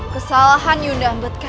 kesalahan yunda ambekasi ada dua